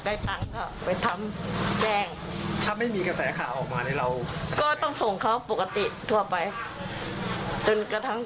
หวมทั้งหมดในบ้าน๓คนแล้วก็มีคนแก่มาอยู่ได้อีกคนนึง